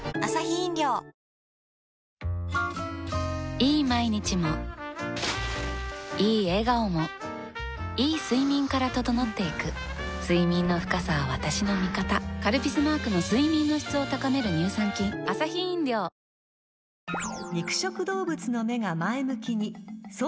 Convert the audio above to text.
いい毎日もいい笑顔もいい睡眠から整っていく睡眠の深さは私の味方「カルピス」マークの睡眠の質を高める乳酸菌いました。